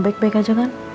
baik baik aja kan